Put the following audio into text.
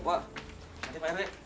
mari pak heri